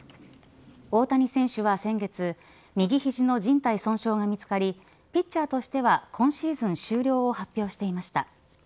大谷選手は先月右肘のじん帯損傷が見つかりピッチャーとしては今シーズン終了を発表していました。